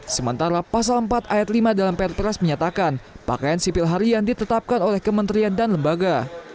sementara pasal empat ayat lima dalam perpres menyatakan pakaian sipil harian ditetapkan oleh kementerian dan lembaga